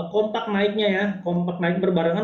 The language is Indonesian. kompak naiknya ya kompak naik berbarengan